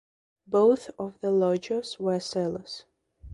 Both of the lodgers were sailors.